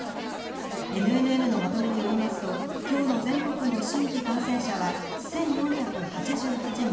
ＮＮＮのまとめによりますと今日の全国の新規感染者は１４８８人。